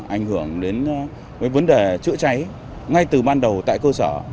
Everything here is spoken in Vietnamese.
ảnh hưởng đến vấn đề chữa cháy ngay từ ban đầu tại cơ sở